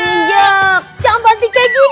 kamu itu tuh banting kayak gini dong